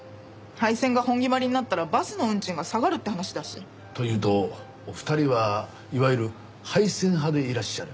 廃線が本決まりになったらバスの運賃が下がるって話だし。というとお二人はいわゆる廃線派でいらっしゃる？